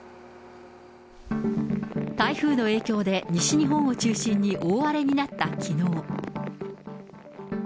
台風の影響で、西日本を中心に大荒れになったきのう。